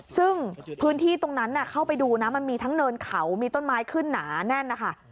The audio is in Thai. ซึ่งพื้นที่ตรงนั้นเข้าไปดูนะมันมีทั้งเนินเขามีต้นไม้ขึ้นหนาแน่นนะคะ